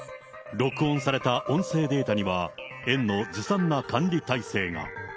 録音された音声データには、園のずさんな管理体制が。